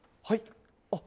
はい！